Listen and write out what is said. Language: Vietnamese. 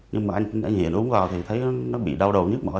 nhưng mà anh hiển uống vào thì thấy nó bị đau đầu nhức mỏi